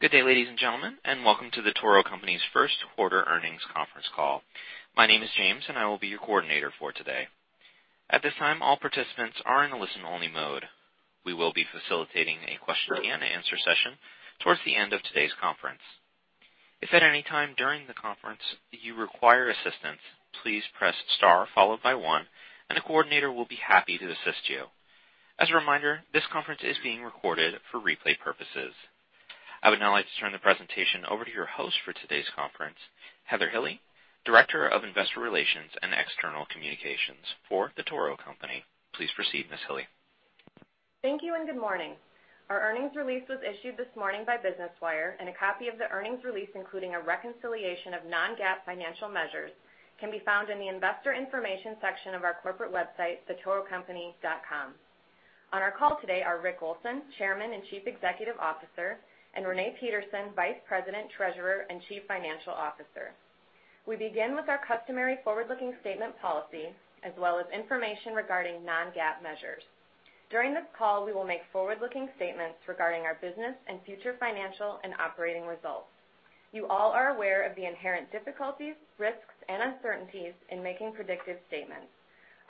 Good day, ladies and gentlemen, and welcome to The Toro Company's first quarter earnings conference call. My name is James, and I will be your coordinator for today. At this time, all participants are in a listen-only mode. We will be facilitating a question and answer session towards the end of today's conference. If at any time during the conference you require assistance, please press star followed by one, and a coordinator will be happy to assist you. As a reminder, this conference is being recorded for replay purposes. I would now like to turn the presentation over to your host for today's conference, Heather Hille, Director of Investor Relations and External Communications for The Toro Company. Please proceed, Ms. Hille. Thank you, and good morning. Our earnings release was issued this morning by Business Wire, and a copy of the earnings release, including a reconciliation of non-GAAP financial measures, can be found in the investor information section of our corporate website, thetorocompany.com. On our call today are Rick Olson, Chairman and Chief Executive Officer, and Renee Peterson, Vice President, Treasurer, and Chief Financial Officer. We begin with our customary forward-looking statement policy, as well as information regarding non-GAAP measures. During this call, we will make forward-looking statements regarding our business and future financial and operating results. You all are aware of the inherent difficulties, risks, and uncertainties in making predictive statements.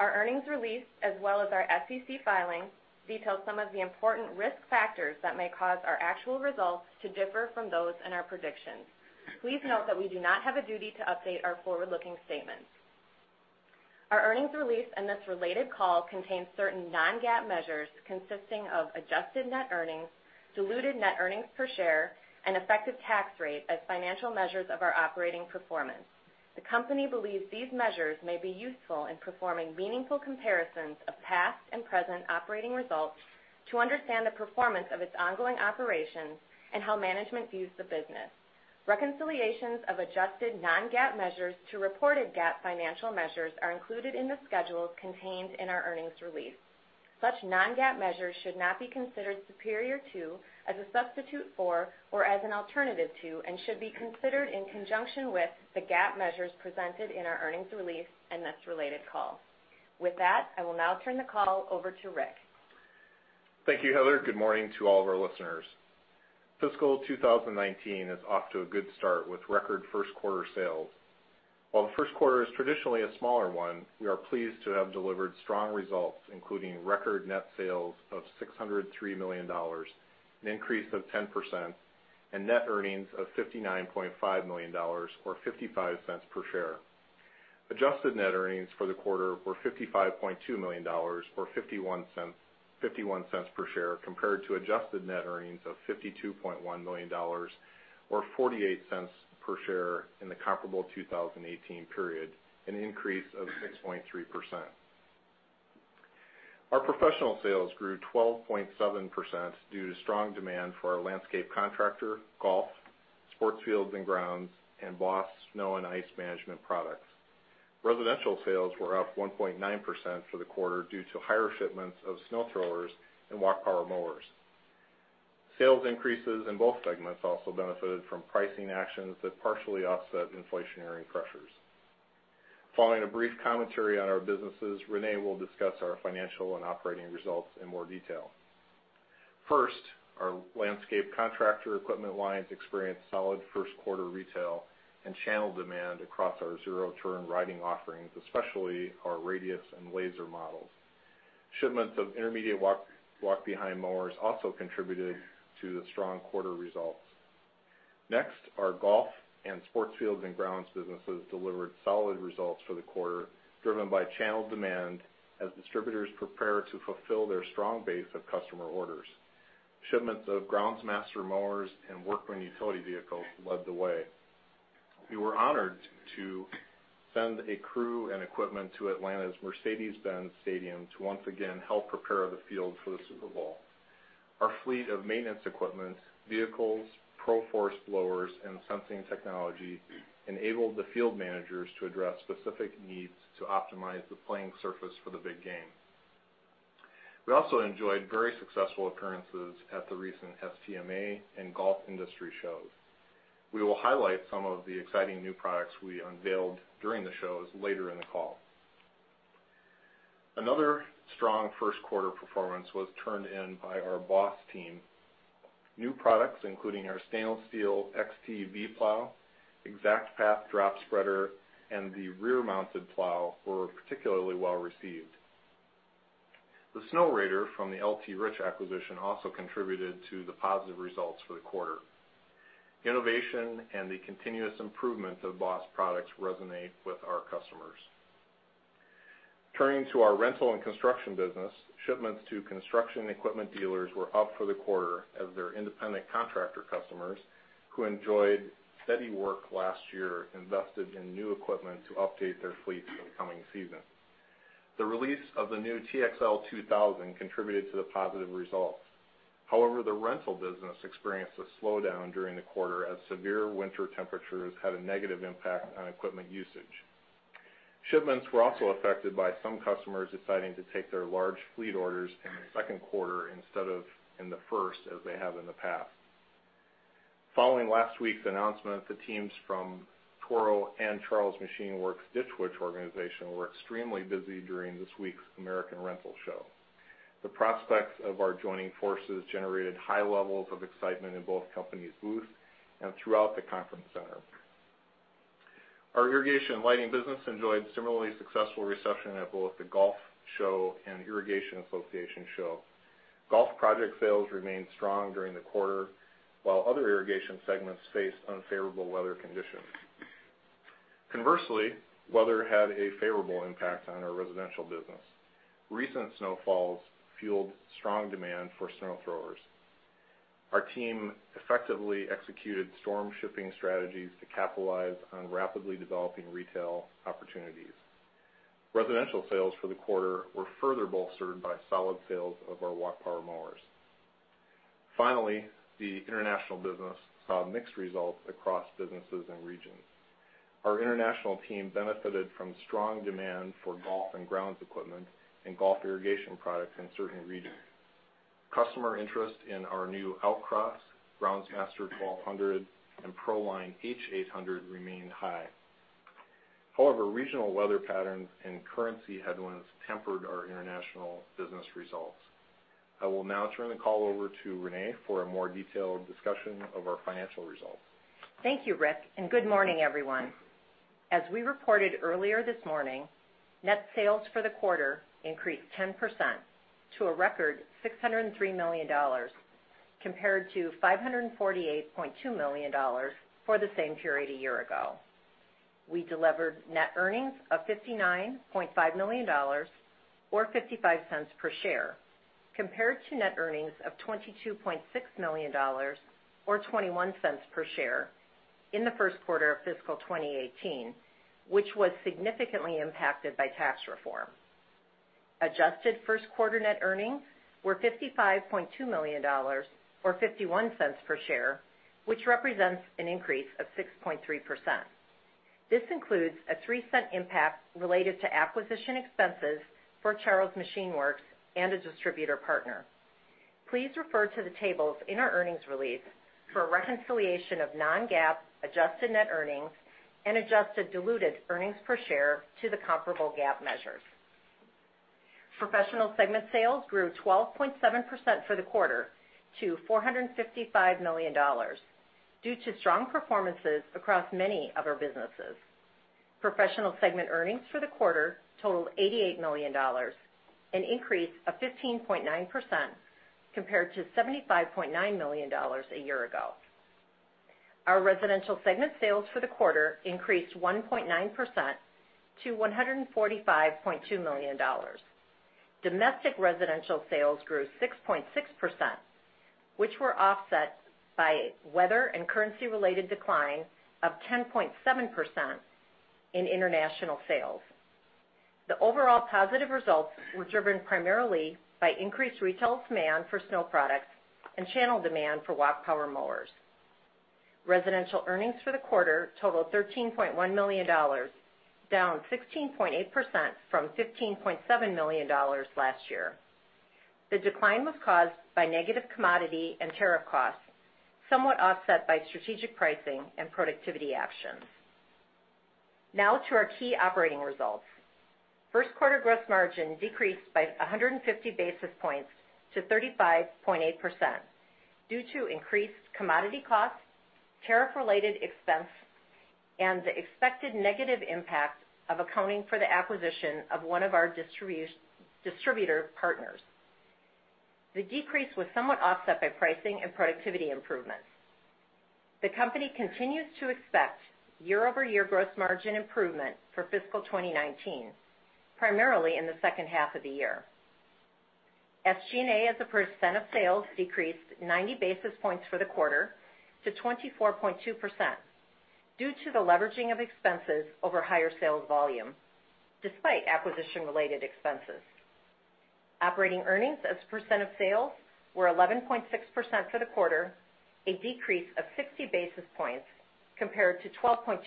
Our earnings release, as well as our SEC filings, detail some of the important risk factors that may cause our actual results to differ from those in our predictions. Please note that we do not have a duty to update our forward-looking statements. Our earnings release and this related call contains certain non-GAAP measures consisting of adjusted net earnings, diluted net earnings per share, and effective tax rate as financial measures of our operating performance. The company believes these measures may be useful in performing meaningful comparisons of past and present operating results to understand the performance of its ongoing operations and how management views the business. Reconciliations of adjusted non-GAAP measures to reported GAAP financial measures are included in the schedules contained in our earnings release. Such non-GAAP measures should not be considered superior to, as a substitute for, or as an alternative to, and should be considered in conjunction with the GAAP measures presented in our earnings release and this related call. With that, I will now turn the call over to Rick. Thank you, Heather. Good morning to all of our listeners. Fiscal 2019 is off to a good start with record first quarter sales. While the first quarter is traditionally a smaller one, we are pleased to have delivered strong results, including record net sales of $603 million, an increase of 10%, and net earnings of $59.5 million, or $0.55 per share. Adjusted net earnings for the quarter were $55.2 million, or $0.51 per share, compared to adjusted net earnings of $52.1 million, or $0.48 per share in the comparable 2018 period, an increase of 6.3%. Our professional sales grew 12.7% due to strong demand for our landscape contractor, golf, sports fields and grounds, and BOSS snow and ice management products. Residential sales were up 1.9% for the quarter due to higher shipments of snow throwers and walk power mowers. Sales increases in both segments also benefited from pricing actions that partially offset inflationary pressures. Following a brief commentary on our businesses, Renee will discuss our financial and operating results in more detail. First, our landscape contractor equipment lines experienced solid first quarter retail and channel demand across our zero-turn riding offerings, especially our Radius and Lazer models. Shipments of intermediate walk-behind mowers also contributed to the strong quarter results. Next, our golf and sports fields and grounds businesses delivered solid results for the quarter, driven by channel demand as distributors prepare to fulfill their strong base of customer orders. Shipments of GroundsMaster mowers and Workman utility vehicles led the way. We were honored to send a crew and equipment to Atlanta's Mercedes-Benz Stadium to once again help prepare the field for the Super Bowl. Our fleet of maintenance equipment, vehicles, Pro Force blowers, and sensing technology enabled the field managers to address specific needs to optimize the playing surface for the big game. We also enjoyed very successful occurrences at the recent STMA and Golf Industry Show. We will highlight some of the exciting new products we unveiled during the shows later in the call. Another strong first quarter performance was turned in by our BOSS team. New products, including our stainless steel XTV plow, Exact Path drop spreader, and the rear-mounted plow, were particularly well-received. The Snowrator from the L.T. Rich acquisition also contributed to the positive results for the quarter. Innovation and the continuous improvement of BOSS products resonate with our customers. Turning to our rental and construction business, shipments to construction equipment dealers were up for the quarter as their independent contractor customers, who enjoyed steady work last year, invested in new equipment to update their fleets for the coming season. The release of the new TXL 2000 contributed to the positive results. The rental business experienced a slowdown during the quarter as severe winter temperatures had a negative impact on equipment usage. Shipments were also affected by some customers deciding to take their large fleet orders in the second quarter instead of in the first, as they have in the past. Following last week's announcement, the teams from Toro and Charles Machine Works' Ditch Witch organization were extremely busy during this week's The ARA Show. The prospects of our joining forces generated high levels of excitement in both companies' booths and throughout the conference center. Our irrigation and lighting business enjoyed similarly successful reception at both the Golf Show and Irrigation Show. Golf project sales remained strong during the quarter, while other irrigation segments faced unfavorable weather conditions. Weather had a favorable impact on our residential business. Recent snowfalls fueled strong demand for snow throwers. Our team effectively executed storm shipping strategies to capitalize on rapidly developing retail opportunities. Residential sales for the quarter were further bolstered by solid sales of our walk power mowers. The international business saw mixed results across businesses and regions. Our international team benefited from strong demand for golf and grounds equipment and golf irrigation products in certain regions. Customer interest in our new Outcross, Groundsmaster 1200, and ProLine H800 remained high. Regional weather patterns and currency headwinds tempered our international business results. I will now turn the call over to Renee for a more detailed discussion of our financial results. Thank you, Rick. Good morning, everyone. As we reported earlier this morning, net sales for the quarter increased 10% to a record $603 million compared to $548.2 million for the same period a year ago. We delivered net earnings of $59.5 million or $0.55 per share compared to net earnings of $22.6 million or $0.21 per share in the first quarter of fiscal 2018, which was significantly impacted by tax reform. Adjusted first quarter net earnings were $55.2 million or $0.51 per share, which represents an increase of 6.3%. This includes a $0.03 impact related to acquisition expenses for Charles Machine Works and a distributor partner. Please refer to the tables in our earnings release for a reconciliation of non-GAAP adjusted net earnings and adjusted diluted earnings per share to the comparable GAAP measures. Professional segment sales grew 12.7% for the quarter to $455 million due to strong performances across many of our businesses. Professional segment earnings for the quarter totaled $88 million, an increase of 15.9% compared to $75.9 million a year ago. Our residential segment sales for the quarter increased 1.9% to $145.2 million. Domestic residential sales grew 6.6%, which were offset by weather and currency-related decline of 10.7% in international sales. The overall positive results were driven primarily by increased retail demand for snow products and channel demand for walk power mowers. Residential earnings for the quarter totaled $13.1 million, down 16.8% from $15.7 million last year. The decline was caused by negative commodity and tariff costs, somewhat offset by strategic pricing and productivity actions. Now to our key operating results. First quarter gross margin decreased by 150 basis points to 35.8% due to increased commodity costs, tariff-related expense, and the expected negative impact of accounting for the acquisition of one of our distributor partners. The decrease was somewhat offset by pricing and productivity improvements. The company continues to expect year-over-year gross margin improvement for fiscal 2019, primarily in the second half of the year. SG&A as a percent of sales decreased 90 basis points for the quarter to 24.2% due to the leveraging of expenses over higher sales volume despite acquisition-related expenses. Operating earnings as a percent of sales were 11.6% for the quarter, a decrease of 60 basis points compared to 12.2%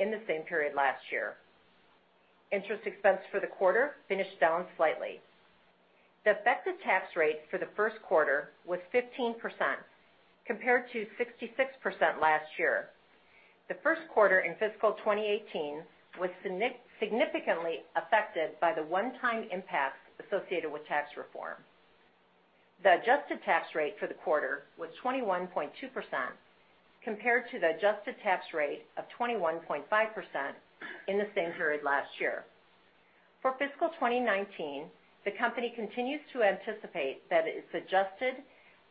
in the same period last year. Interest expense for the quarter finished down slightly. The effective tax rate for the first quarter was 15% compared to 66% last year. The first quarter in fiscal 2018 was significantly affected by the one-time impacts associated with tax reform. The adjusted tax rate for the quarter was 21.2% compared to the adjusted tax rate of 21.5% in the same period last year. For fiscal 2019, the company continues to anticipate that its adjusted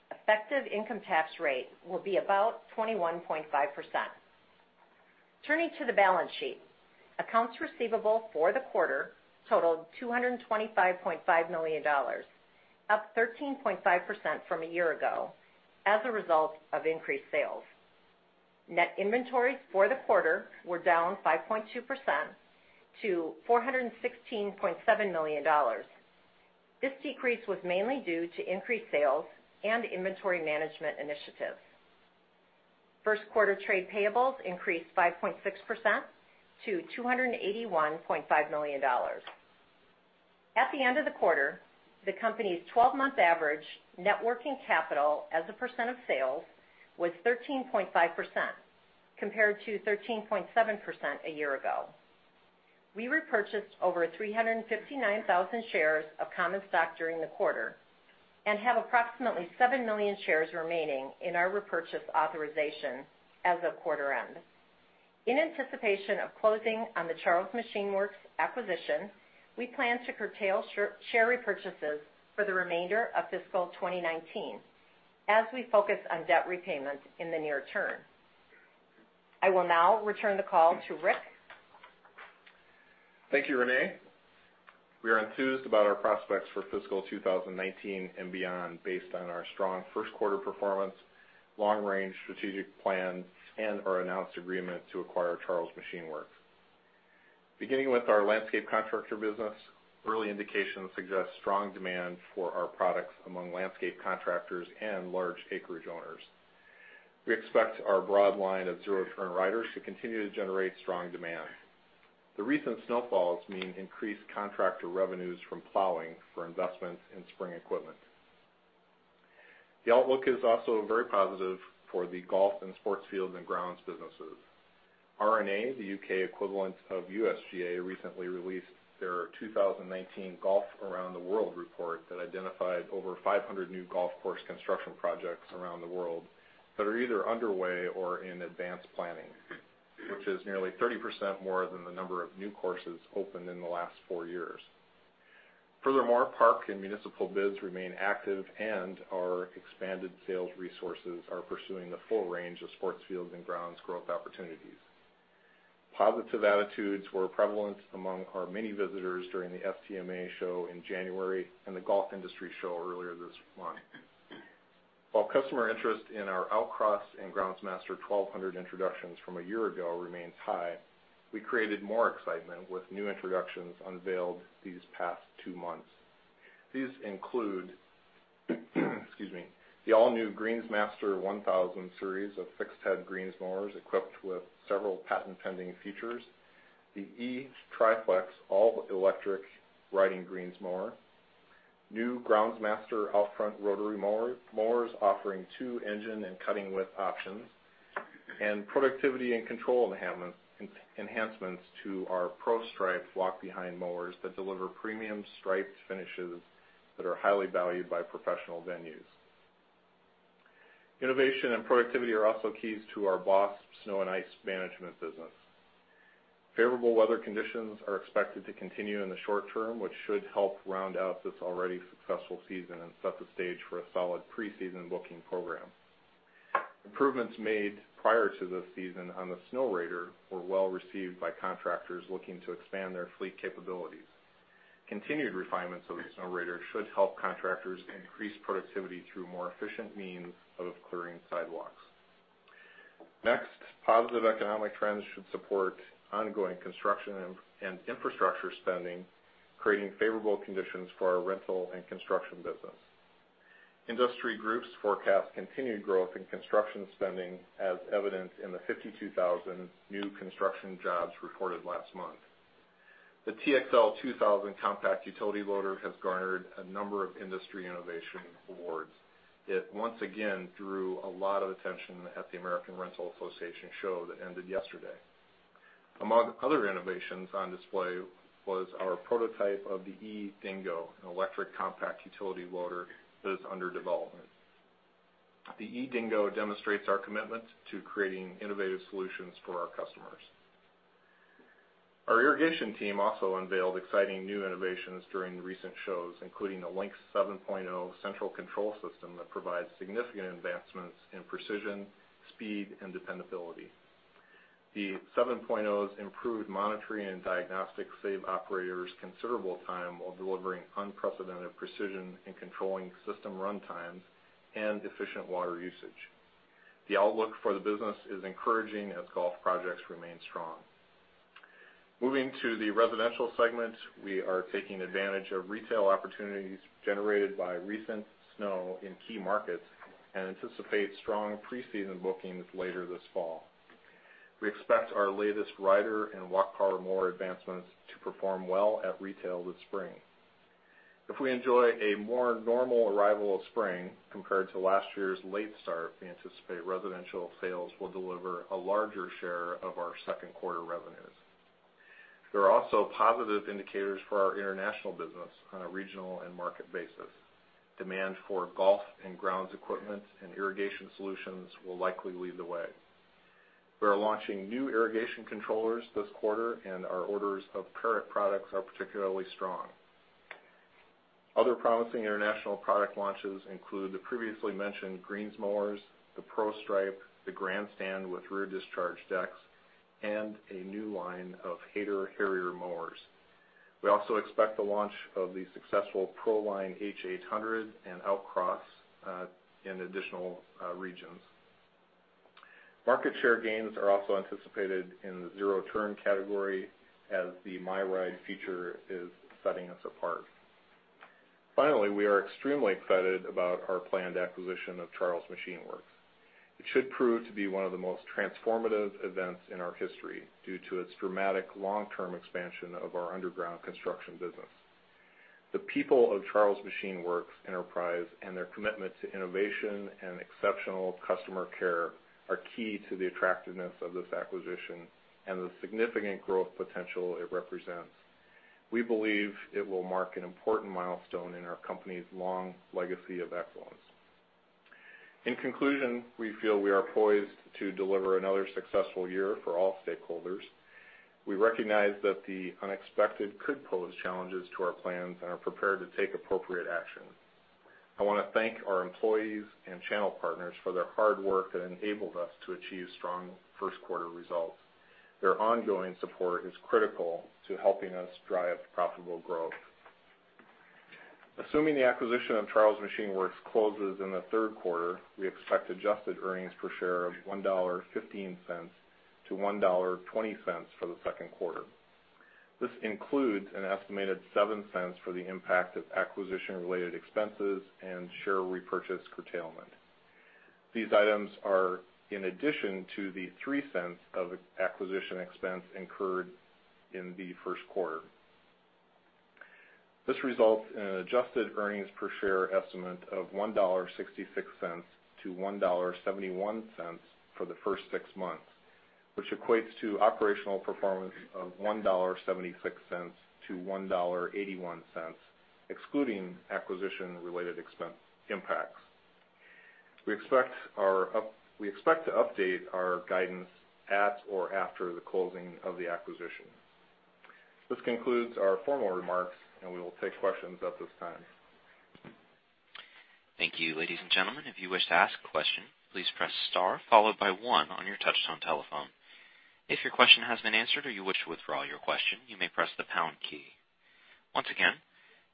effective income tax rate will be about 21.5%. Turning to the balance sheet. Accounts receivable for the quarter totaled $225.5 million, up 13.5% from a year ago as a result of increased sales. Net inventories for the quarter were down 5.2% to $416.7 million. This decrease was mainly due to increased sales and inventory management initiatives. First quarter trade payables increased 5.6% to $281.5 million. At the end of the quarter, the company's 12-month average networking capital as a percent of sales was 13.5% compared to 13.7% a year ago. We repurchased over 359,000 shares of common stock during the quarter and have approximately 7 million shares remaining in our repurchase authorization as of quarter end. In anticipation of closing on the Charles Machine Works acquisition, we plan to curtail share repurchases for the remainder of fiscal 2019 as we focus on debt repayment in the near term. I will now return the call to Rick. Thank you, Renee. We are enthused about our prospects for fiscal 2019 and beyond based on our strong first quarter performance, long-range strategic plan, and our announced agreement to acquire Charles Machine Works. Beginning with our landscape contractor business, early indications suggest strong demand for our products among landscape contractors and large acreage owners. We expect our broad line of zero-turn riders to continue to generate strong demand. The recent snowfalls mean increased contractor revenues from plowing for investments in spring equipment. The outlook is also very positive for the golf and sports fields and grounds businesses. R&A, the UK equivalent of USGA, recently released their 2019 Golf Around the World report that identified over 500 new golf course construction projects around the world that are either underway or in advanced planning, which is nearly 30% more than the number of new courses opened in the last four years. Park and municipal bids remain active, and our expanded sales resources are pursuing the full range of sports fields and grounds growth opportunities. Positive attitudes were prevalent among our many visitors during the STMA show in January and the Golf Industry Show earlier this month. While customer interest in our Outcross and GroundsMaster 1200 introductions from a year ago remains high, we created more excitement with new introductions unveiled these past two months. These include excuse me, the all-new Greensmaster 1000 Series of fixed head greens mowers equipped with several patent-pending features, the eTriFlex all-electric riding greens mower, new GroundsMaster out-front rotary mowers offering two engine and cutting width options, and productivity and control enhancements to our ProStripe walk-behind mowers that deliver premium striped finishes that are highly valued by professional venues. Innovation and productivity are also keys to our BOSS Snow and Ice Management business. Favorable weather conditions are expected to continue in the short term, which should help round out this already successful season and set the stage for a solid pre-season booking program. Improvements made prior to this season on the Snowrator were well-received by contractors looking to expand their fleet capabilities. Continued refinements of the Snowrator should help contractors increase productivity through more efficient means of clearing sidewalks. Positive economic trends should support ongoing construction and infrastructure spending, creating favorable conditions for our rental and construction business. Industry groups forecast continued growth in construction spending as evidenced in the 52,000 new construction jobs reported last month. The TXL 2000 compact utility loader has garnered a number of industry innovation awards. It once again drew a lot of attention at The ARA Show that ended yesterday. Among other innovations on display was our prototype of the eDingo, an electric compact utility loader that is under development. The eDingo demonstrates our commitment to creating innovative solutions for our customers. Our irrigation team also unveiled exciting new innovations during recent shows, including the Lynx 7.0 central control system that provides significant advancements in precision, speed, and dependability. The 7.0's improved monitoring and diagnostics save operators considerable time while delivering unprecedented precision in controlling system run times and efficient water usage. The outlook for the business is encouraging as golf projects remain strong. Moving to the residential segment, we are taking advantage of retail opportunities generated by recent snow in key markets and anticipate strong pre-season bookings later this fall. We expect our latest rider and walk car mower advancements to perform well at retail this spring. If we enjoy a more normal arrival of spring compared to last year's late start, we anticipate residential sales will deliver a larger share of our second quarter revenues. There are also positive indicators for our international business on a regional and market basis. Demand for golf and grounds equipment and irrigation solutions will likely lead the way. We are launching new irrigation controllers this quarter, and our orders of current products are particularly strong. Other promising international product launches include the previously mentioned greens mowers, the ProStripe, the GrandStand with rear discharge decks, and a new line of Hayter Harrier mowers. We also expect the launch of the successful ProLine H800 and Outcross in additional regions. Market share gains are also anticipated in the zero-turn category as the MyRide feature is setting us apart. We are extremely excited about our planned acquisition of Charles Machine Works. It should prove to be one of the most transformative events in our history due to its dramatic long-term expansion of our underground construction business. The people of Charles Machine Works Enterprise and their commitment to innovation and exceptional customer care are key to the attractiveness of this acquisition and the significant growth potential it represents. We believe it will mark an important milestone in our company's long legacy of excellence. In conclusion, we feel we are poised to deliver another successful year for all stakeholders. We recognize that the unexpected could pose challenges to our plans and are prepared to take appropriate action. I want to thank our employees and channel partners for their hard work that enabled us to achieve strong first quarter results. Their ongoing support is critical to helping us drive profitable growth. Assuming the acquisition of Charles Machine Works closes in the third quarter, we expect adjusted earnings per share of $1.15-$1.20 for the second quarter. This includes an estimated $0.07 for the impact of acquisition-related expenses and share repurchase curtailment. These items are in addition to the $0.03 of acquisition expense incurred in the first quarter. This results in an adjusted earnings per share estimate of $1.66-$1.71 for the first six months, which equates to operational performance of $1.76-$1.81, excluding acquisition-related expense impacts. We expect to update our guidance at or after the closing of the acquisition. This concludes our formal remarks, and we will take questions at this time. Thank you. Ladies and gentlemen, if you wish to ask a question, please press star followed by one on your touch-tone telephone. If your question has been answered or you wish to withdraw your question, you may press the pound key. Once again,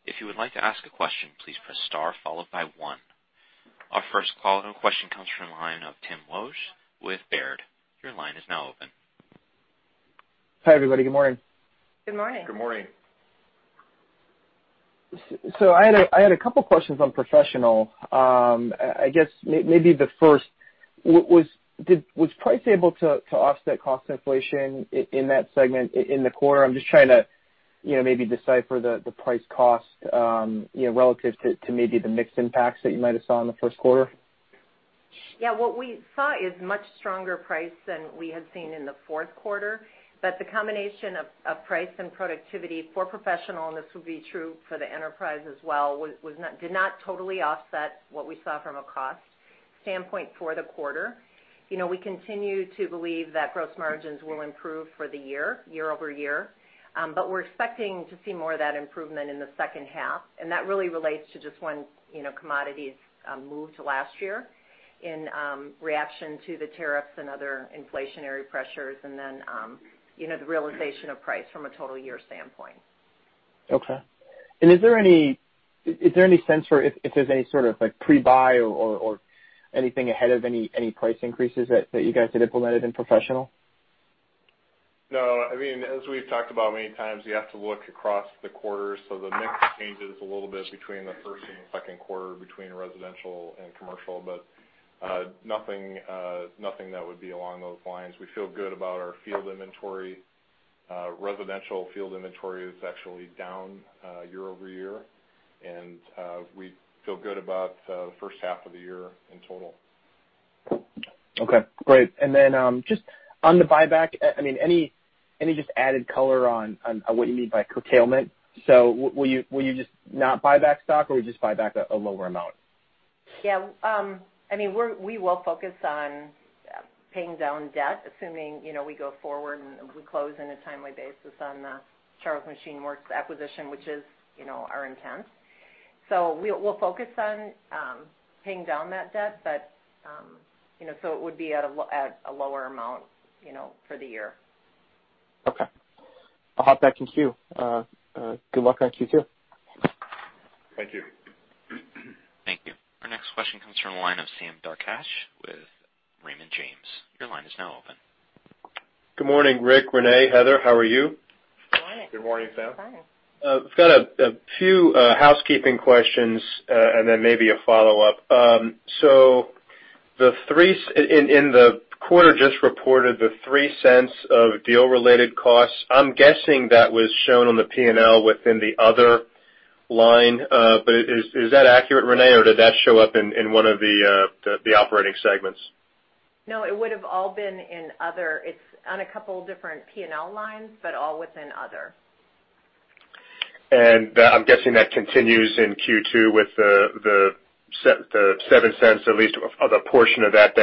if you would like to ask a question, please press star followed by one. Our first call and question comes from the line of Tim Wojs with Baird. Your line is now open. Hi, everybody. Good morning. Good morning. Good morning. I had a couple questions on Professional. I guess, maybe the first, was price able to offset cost inflation in that segment in the quarter? I'm just trying to maybe decipher the price cost relative to maybe the mix impacts that you might have saw in the first quarter. Yeah, what we saw is much stronger price than we had seen in the fourth quarter. The combination of price and productivity for Professional, and this will be true for the enterprise as well, did not totally offset what we saw from a cost standpoint for the quarter. We continue to believe that gross margins will improve for the year-over-year. We're expecting to see more of that improvement in the second half. That really relates to just when commodities moved last year in reaction to the tariffs and other inflationary pressures, and then the realization of price from a total year standpoint. Okay. Is there any sense for if there's any sort of pre-buy or anything ahead of any price increases that you guys had implemented in Professional? No. As we've talked about many times, you have to look across the quarters. The mix changes a little bit between the first and the second quarter between residential and commercial, but nothing that would be along those lines. We feel good about our field inventory. Residential field inventory is actually down year-over-year, and we feel good about the first half of the year in total. Okay, great. Just on the buyback, any just added color on what you mean by curtailment? Will you just not buy back stock, or will you just buy back a lower amount? Yeah. We will focus on paying down debt, assuming we go forward and we close in a timely basis on the Charles Machine Works acquisition, which is our intent. We'll focus on paying down that debt, so it would be at a lower amount for the year. Okay. I'll hop back in queue. Good luck on Q2. Thank you. Thank you. Our next question comes from the line of Sam Darkatsh with Raymond James. Your line is now open. Good morning, Rick, Renee, Heather. How are you? Good morning. Good morning, Sam. Fine. I've got a few housekeeping questions, then maybe a follow-up. In the quarter just reported, the $0.03 of deal-related costs, I'm guessing that was shown on the P&L within the "other" line. Is that accurate, Renee, or did that show up in one of the operating segments? No, it would've all been in "other." It's on a couple different P&L lines, but all within "other. I'm guessing that continues in Q2 with the $0.07, at least of a portion of that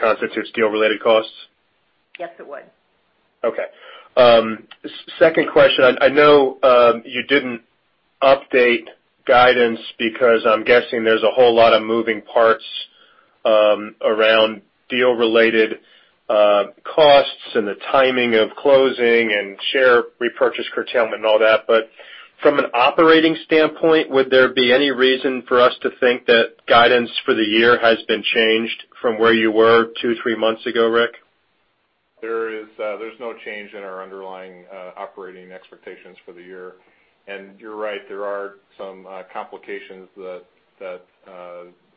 constitutes deal-related costs? Yes, it would. Okay. Second question, I know you didn't update guidance because I'm guessing there's a whole lot of moving parts around deal-related costs and the timing of closing and share repurchase curtailment and all that. From an operating standpoint, would there be any reason for us to think that guidance for the year has been changed from where you were two, three months ago, Rick? There's no change in our underlying operating expectations for the year. You're right, there are some complications that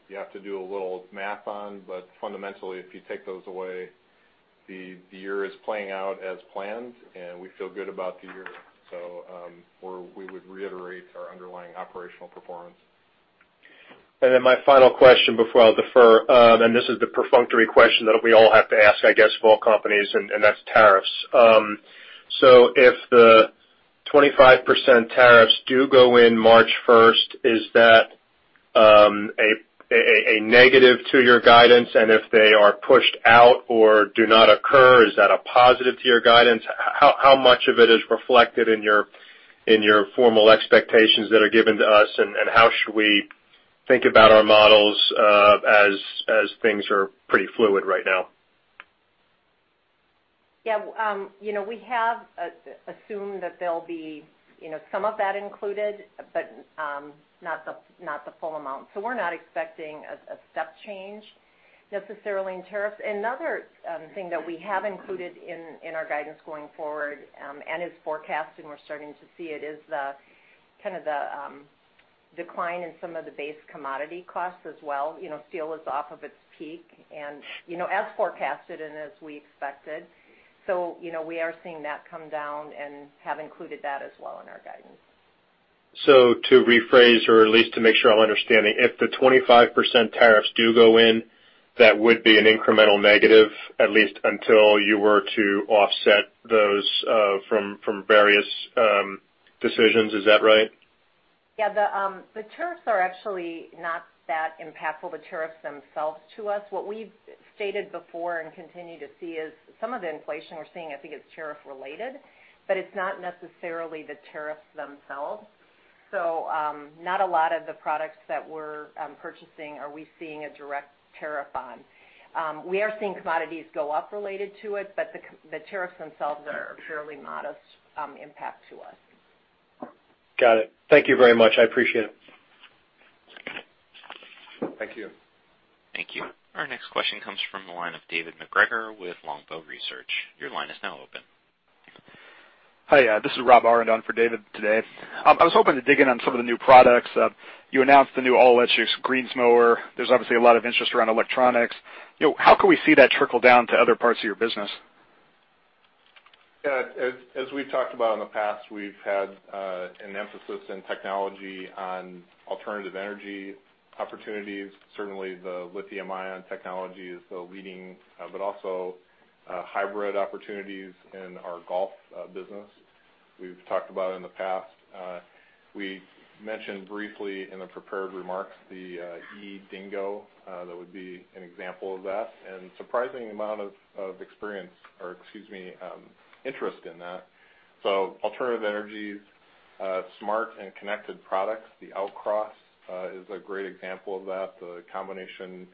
you have to do a little math on. Fundamentally, if you take those away, the year is playing out as planned, and we feel good about the year. We would reiterate our underlying operational performance. Then my final question before I'll defer, and this is the perfunctory question that we all have to ask, I guess, of all companies, and that's tariffs. If the 25% tariffs do go in March 1st, is that a negative to your guidance? If they are pushed out or do not occur, is that a positive to your guidance? How much of it is reflected in your formal expectations that are given to us, and how should we think about our models as things are pretty fluid right now? Yeah. We have assumed that there'll be some of that included, but not the full amount. We're not expecting a step change necessarily in tariffs. Another thing that we have included in our guidance going forward, and is forecasting, we're starting to see it, is the decline in some of the base commodity costs as well. Steel is off of its peak and as forecasted and as we expected. We are seeing that come down and have included that as well in our guidance. To rephrase or at least to make sure I'm understanding, if the 25% tariffs do go in, that would be an incremental negative at least until you were to offset those from various decisions. Is that right? Yeah. The tariffs are actually not that impactful, the tariffs themselves to us. What we've stated before and continue to see is some of the inflation we're seeing, I think it's tariff related, but it's not necessarily the tariffs themselves. Not a lot of the products that we're purchasing are we seeing a direct tariff on. We are seeing commodities go up related to it, but the tariffs themselves are a fairly modest impact to us. Got it. Thank you very much. I appreciate it. Thank you. Thank you. Our next question comes from the line of David MacGregor with Longbow Research. Your line is now open. Hi, this is Rob Aurand for David today. I was hoping to dig in on some of the new products. You announced the new all-electric greens mower. There's obviously a lot of interest around electronics. How can we see that trickle down to other parts of your business? Yeah. As we've talked about in the past, we've had an emphasis in technology on alternative energy opportunities. Certainly the lithium-ion technology is the leading, but also hybrid opportunities in our golf business. We've talked about it in the past. We mentioned briefly in the prepared remarks, the eDingo, that would be an example of that. Surprising amount of interest in that. Alternative energies, smart and connected products. The Outcross is a great example of that. The combination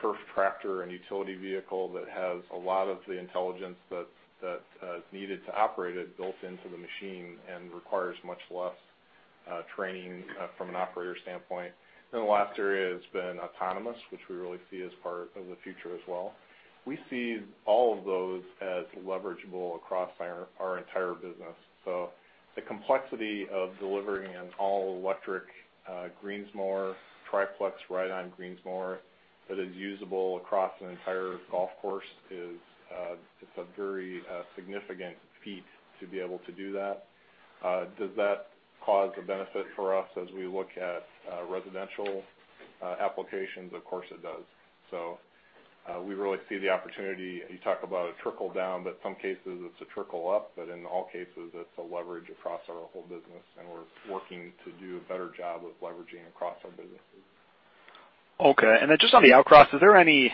turf tractor and utility vehicle that has a lot of the intelligence that's needed to operate it built into the machine and requires much less training from an operator standpoint. The last area has been autonomous, which we really see as part of the future as well. We see all of those as leverageable across our entire business. The complexity of delivering an all-electric greens mower, Triplex ride-on greens mower that is usable across an entire golf course is a very significant feat to be able to do that. Does that cause a benefit for us as we look at residential applications? Of course it does. We really see the opportunity. You talk about a trickle down, but some cases it's a trickle up. In all cases, it's a leverage across our whole business, and we're working to do a better job of leveraging across our businesses. Okay. Just on the Outcross, is there any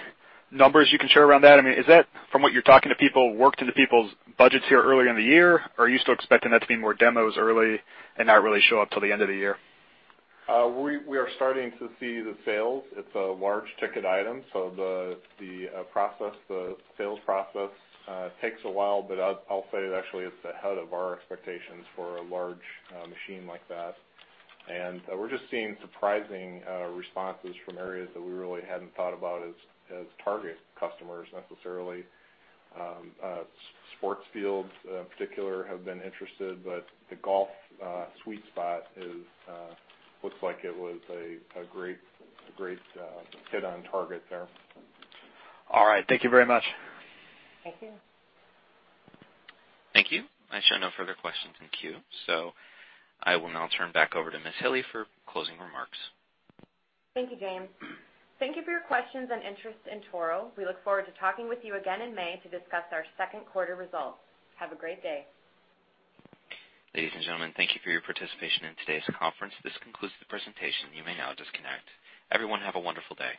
numbers you can share around that? I mean, is that from what you're talking to people, worked into people's budgets here earlier in the year? Or are you still expecting that to be more demos early and not really show up till the end of the year? We are starting to see the sales. It's a large ticket item, so the sales process takes a while, but I'll say it actually is ahead of our expectations for a large machine like that. We're just seeing surprising responses from areas that we really hadn't thought about as target customers necessarily. Sports fields in particular have been interested, but the golf sweet spot looks like it was a great hit on target there. All right. Thank you very much. Thank you. Thank you. I show no further questions in queue, I will now turn back over to Ms. Hille for closing remarks. Thank you, James. Thank you for your questions and interest in Toro. We look forward to talking with you again in May to discuss our second quarter results. Have a great day. Ladies and gentlemen, thank you for your participation in today's conference. This concludes the presentation. You may now disconnect. Everyone have a wonderful day.